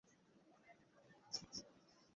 তাকে প্রভাবিত করুন, শুনতে পেয়েছেন?